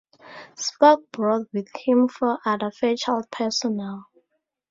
Sporck brought with him four other Fairchild personnel.